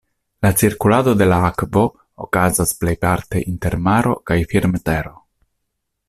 La cirkulado de la akvo okazas plejparte inter maro kaj firmtero.